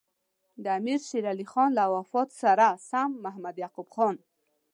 د امیر شېر علي خان له وفات سره سم محمد یعقوب خان.